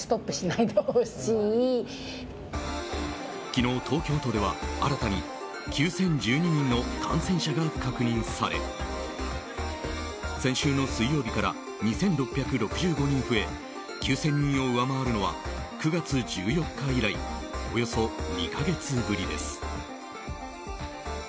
昨日、東京都では新たに９０１２人の感染者が確認され先週の水曜日から２６６５人増え９０００人を上回るのは９月１４日以来およそ２か月ぶりです。